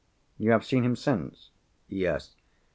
"You have seen him since?" "Yes.